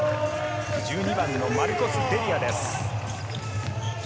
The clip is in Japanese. １２番のマルコス・デリアです。